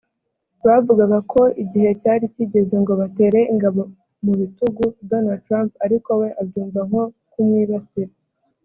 bavugaga ko igihe cyari kigeze ngo batere ingabo mu bitugu Donald Trump ariko we abyumva nko kumwibasira